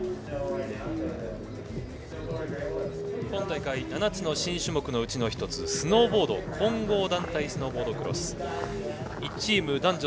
今大会７つの新種目のうちの１つスノーボード混合団体スノーボードクロス。